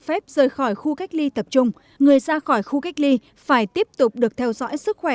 phép rời khỏi khu cách ly tập trung người ra khỏi khu cách ly phải tiếp tục được theo dõi sức khỏe